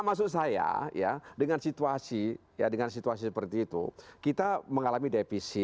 maksud saya ya dengan situasi seperti itu kita mengalami depisit